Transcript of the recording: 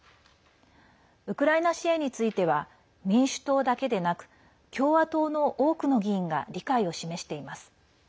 ウクライナ支援については民主党だけでなく共和党の多くの議員が理解を示しています。